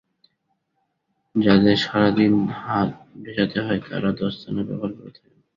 যাঁদের সারা দিন হাত ভেজাতে হয়, তাঁরা দস্তানা ব্যবহার করতে পারেন।